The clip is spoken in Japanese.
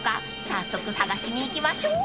［早速探しに行きましょう］